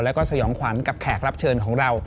แล้วก็สยองขวัญกับแขกรับเชิญของเรา